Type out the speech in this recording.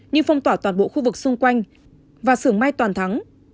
nhưng phong tỏa toàn bộ khu vực xung quanh và sưởng mây toàn thắng